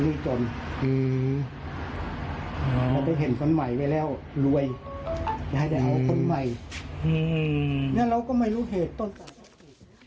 นี่เราก็ไม่รู้เหตุต้นตาต้นตี